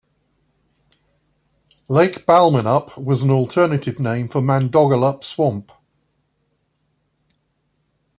Lake Balmanup was an alternative name for Mandogalup Swamp.